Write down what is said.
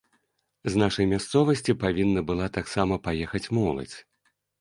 З нашай мясцовасці павінна была таксама паехаць моладзь.